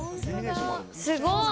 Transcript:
すごい。